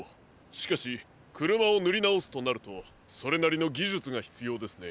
しかしくるまをぬりなおすとなるとそれなりのぎじゅつがひつようですね。